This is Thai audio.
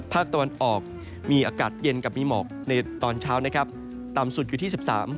ภาคตะวันออกมีอากาศเย็นกับมีหมอกในตอนเช้านะครับต่ำสุดอยู่ที่สิบสาม